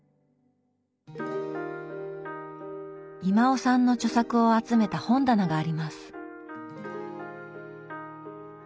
威馬雄さんの著作を集めた本棚があります。